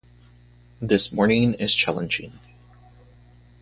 This morning is challenging.